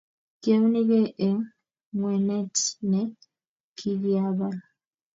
Kiaunygei eng' ng'wenet ne kikiabal